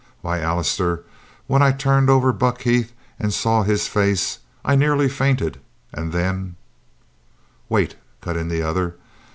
Why, Allister, when I turned over Buck Heath and saw his face, I nearly fainted, and then " "Wait," cut in the other.